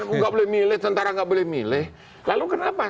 jangan tidak boleh milih tentara tidak boleh milih lalu kenapa